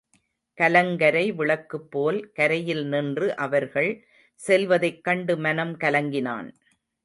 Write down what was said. கலங்கரை விளக்குபோல் கரையில் நின்று அவர்கள் செல்வதைக் கண்டு மனம் கலங்கினான்.